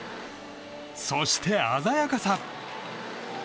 そして、鮮やかさ。